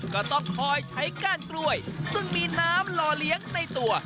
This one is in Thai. ก็ต้องคอยใช้ก้านกล้วยซึ่งมีน้ำรอเลี้ยงในตัว